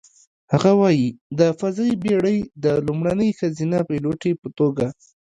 هغه وايي: "د فضايي بېړۍ د لومړنۍ ښځینه پیلوټې په توګه،